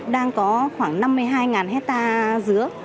đang có khoảng năm mươi hai hectare giữa